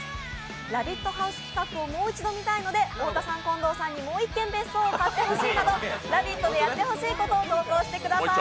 「ラヴィット！ハウス」企画をもう一度見たいので、太田さん近藤さん夫妻にもう１軒別荘を買って欲しいなどやって欲しいことを投稿してください。